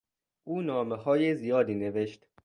او نامههای زیادی نوشت.